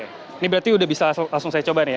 ini berarti sudah bisa langsung saya coba nih ya